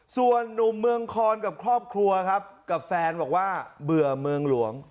ส่วนหนุ่มเมืองคอนกับครอบครัวครับกับแฟนบอกว่าเบื่อเมืองหลวง